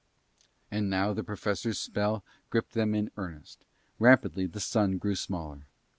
And now the Professor's spell gripped them in earnest: rapidly the Sun grew smaller.